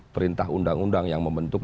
perintah undang undang yang membentuk